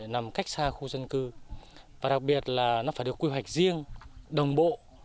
nằm cách xa khu dân cư và đặc biệt là nó phải được quy hoạch riêng đồng bộ